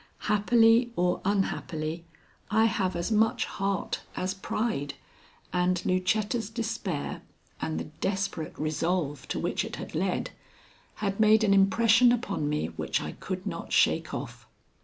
Happily or unhappily, I have as much heart as pride, and Lucetta's despair, and the desperate resolve to which it had led, had made an impression upon me which I could not shake off.